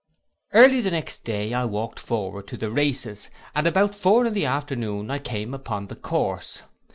Early the next day I walked forward to the races, and about four in the afternoon I came upon the course.